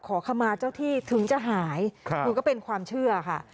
ขอขมาเจ้าที่ถึงจะหายคือก็เป็นความเชื่อค่ะ